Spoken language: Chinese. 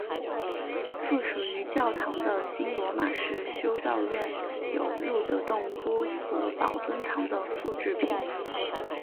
附属于教堂的新罗马式修道院有露德洞窟和宝尊堂的复制品。